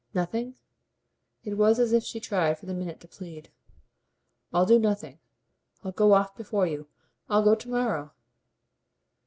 "Nothing?" It was as if she tried for the minute to plead. "I'll do nothing. I'll go off before you. I'll go to morrow."